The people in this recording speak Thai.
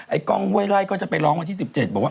กล้องห้วยไล่ก็จะไปร้องวันที่๑๗บอกว่า